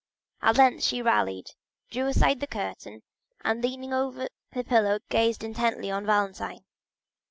At length she rallied, drew aside the curtain, and leaning over the pillow gazed intently on Valentine.